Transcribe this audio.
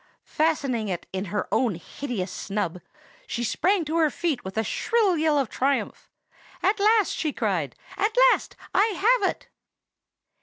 Fastening it in her own hideous snub, she sprang to her feet with a shrill yell of triumph. 'At last!' she cried,—'at last I have it!